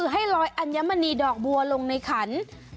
ให้ลอยอัญมณีดอกบัวลงในขัน